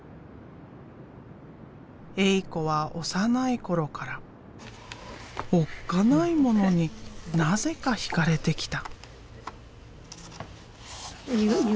エイ子は幼い頃からおっかないものになぜか惹かれてきた。